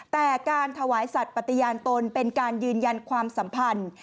แต่การถวายสัตว์ปฏิญาณตนเป็นการยืนยันความสัมพันธ์